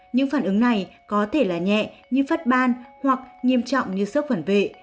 những phản ứng này có thể là nhẹ như phát ban hoặc nghiêm trọng như sốc phản vệ